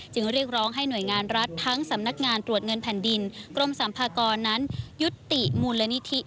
เรียกร้องให้หน่วยงานรัฐทั้งสำนักงานตรวจเงินแผ่นดินกรมสัมภากรนั้นยุติมูลนิธิ